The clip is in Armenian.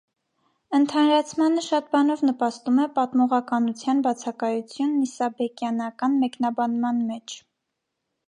Ընդհանրացմանը շատ բանով նպաստում է պատմողականության բացակայությունն իսաբեկյանական մեկնաբանման մեջ։